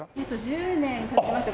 １０年経ちました。